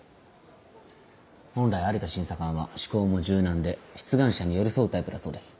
本来有田審査官は思考も柔軟で出願者に寄り添うタイプだそうです。